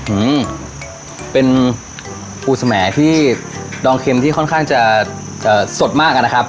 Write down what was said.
อืมเป็นปูสมแหที่ดองเค็มที่ค่อนข้างจะสดมากนะครับ